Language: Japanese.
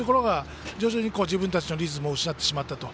徐々に自分たちのリズムを失ってしまったと。